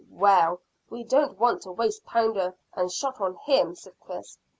"Well, we don't want to waste powder and shot on him," said Chris.